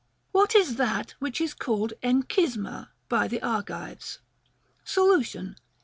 What is that which is called εγκησμα by the ΑΙ gives'? Solution.